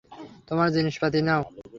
তোমার জিনিসপাতি নাও?